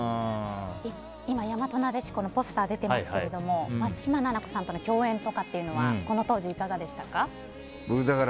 今、「やまとなでしこ」のポスターが出ていますが松嶋菜々子さんとの共演はこの当時、いかがでした？